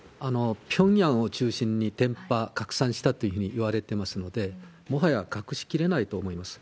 ピョンヤンを中心に伝ぱ、拡散したというふうにいわれてますので、もはや隠しきれないと思います。